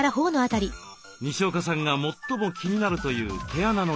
にしおかさんが最も気になるという毛穴の開き。